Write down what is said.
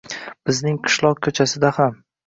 Bizning qishlok ko’chasida ham